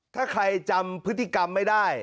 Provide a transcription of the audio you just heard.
ถ้าใครจำพฤติกรรมไม่ได้